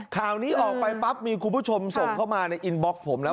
ข่าวนี้ออกไปปั๊บมีคุณผู้ชมส่งเข้ามาในอินบล็อกผมแล้ว